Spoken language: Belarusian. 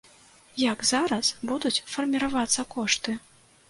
Як зараз будуць фарміравацца кошты?